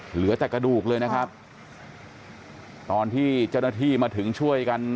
เหลือแต่กระดูกเลยนะครับตอนที่เจ้าหน้าที่มาถึงช่วยกัน